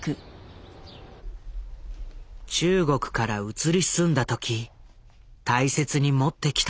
中国から移り住んだ時大切に持ってきたのが小澤の写真だ。